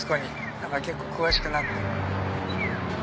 だから結構詳しくなってる。